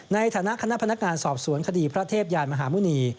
ในฐานะคณะพนักงานสอบสวนคดีพระเทพยานมหาหมุณี